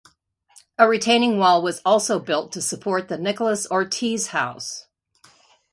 A retaining wall was also built to support the Nicholas Ortiz house.